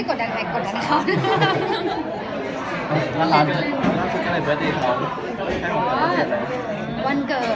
ขอดดัดไหมครับแบบนี้